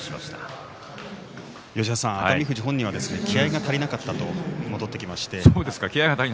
熱海富士は気合いが足りなかったと戻ってきました。